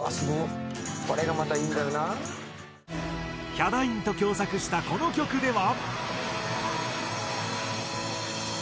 ヒャダインと共作したこの曲では。